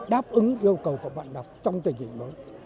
đáp ứng yêu cầu của văn học trong tình hình mới